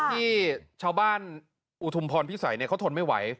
ที่ชาวบ้านอุทุมพรพิสัยเขาทนไม่ไหว